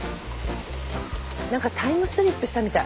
何かタイムスリップしたみたい。